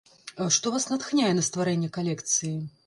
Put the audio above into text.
Што вас натхняе на стварэнне калекцыі?